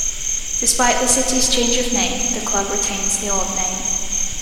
Despite the city's change of name, the club retains the old name.